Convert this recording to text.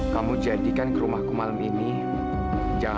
kamu chancellor keyncang ke utara kalau kamu creators renaissance